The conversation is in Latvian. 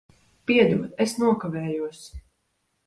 Piedod, es nokavējos.